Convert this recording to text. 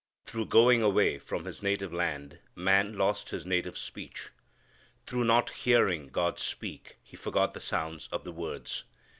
Through going away from his native land man lost his native speech. Through not hearing God speak he forgot the sounds of the words.